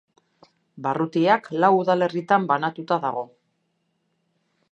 Barrutiak lau udalerritan banatuta dago.